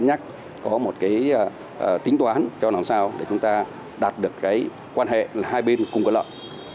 chúng ta cần phải có một cái tính toán cho làm sao để chúng ta đạt được cái quan hệ hai bên cùng cơ lợi